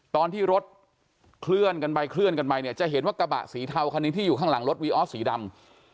ตอนที่รถเคลื่อนกันไปเคลื่อนกันไปเนี่ยจะเห็นว่ากระบะสีเทาคันนี้ที่อยู่ข้างหลังรถวีออสสีดำ